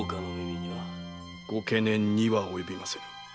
ご懸念には及びません。